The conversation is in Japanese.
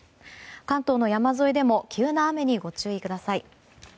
関東の山沿いでも急な雨にご注意ください。